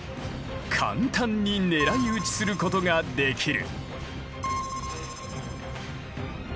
簡単に狙い撃ちすることができる。